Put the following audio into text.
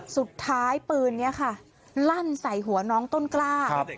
สุดท้ายปืนนี้ค่ะลั่นใส่หัวน้องต้นกล้า